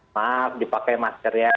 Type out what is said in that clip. maaf dipakai maskernya